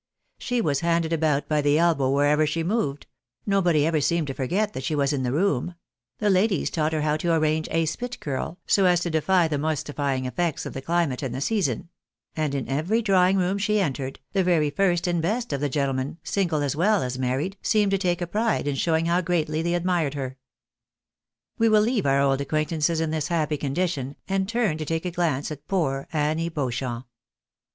She was handed about by the elbow wherever she moved ; nobody ever seemed to forget that she was in the room ; the ladies taught her how to arrange a " spit curl," so as to defy the moistifying effects of the climate and the season ; and in every drawing room she entered, the very first and best of the gentlemen, single as well as married, seemed to take a pride in showing how greatly they admired her. We will leave our old acquaintances in this happy condition, and turn to take a glance at poor Annie Beauchamp.